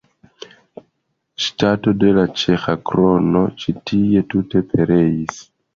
Ŝtato de la Ĉeĥa krono ĉi tie tute pereis.